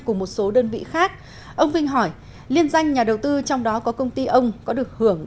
cùng một số đơn vị khác ông vinh hỏi liên danh nhà đầu tư trong đó có công ty ông có được hưởng